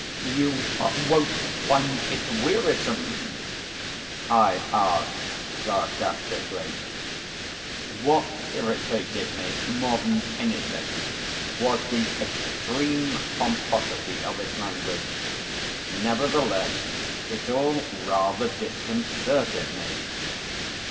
"You won't find it wearisome?" I asked sarcastically. What irritated me more than anything was the extreme pomposity of his language. Nevertheless, it all rather disconcerted me.